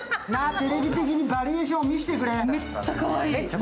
テレビ的にバリエーションを見せてくれ。